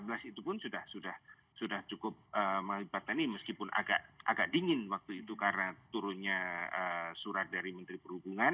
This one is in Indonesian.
itu pun sudah cukup melibatkan ini meskipun agak dingin waktu itu karena turunnya surat dari menteri perhubungan